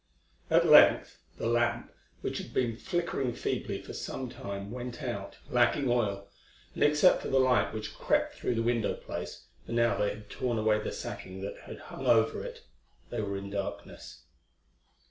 At length the lamp, which had been flickering feebly for some time, went out, lacking oil, and except for the light which crept through the window place, for now they had torn away the sacking that hung over it, they were in darkness.